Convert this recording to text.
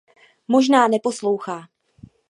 Možná neposlouchá.